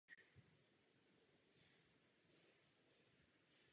Pokud jde o mě, mohlo by zajít ještě dále.